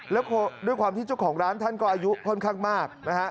แล้วด้วยความที่เจ้าของร้านท่านก็อายุค่อนข้างมากนะฮะ